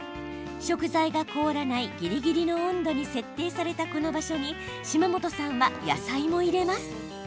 食材が凍らないぎりぎりの温度に設定されたこの場所に島本さんは野菜も入れます。